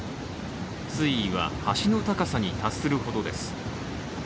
水位は橋の高さに達するほどです。